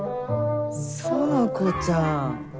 園子ちゃん。